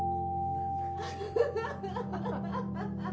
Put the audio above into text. アハハハハハ！